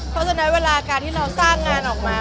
เพราะฉะนั้นเวลาการที่เราสร้างงานออกมา